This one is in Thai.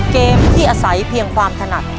เกมที่อาศัยเพียงความถนัด